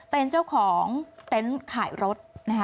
เป็นเจ้าของเต้นต์ขายรถ